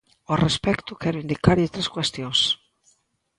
Ao respecto quero indicarlle tres cuestións.